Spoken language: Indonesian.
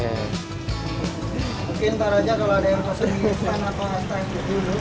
mungkin ntar aja kalau ada yang mau di instan atau apa apa gitu